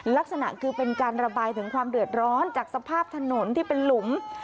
ลักษณะคือเป็นการระบายถึงความเดือดร้อนจากสภาพถนนที่เป็นหลุม